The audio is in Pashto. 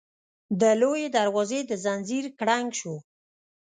د لويي دروازې د ځنځير کړنګ شو.